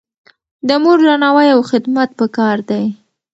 د مور درناوی او خدمت پکار دی.